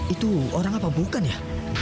itu orang apa bukan ya